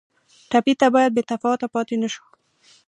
ټپي ته باید بې تفاوته پاتې نه شو.